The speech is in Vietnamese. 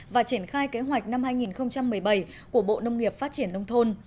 và triển khai kế hoạch năm hai nghìn một mươi bảy của bộ nông nghiệp phát triển nông thôn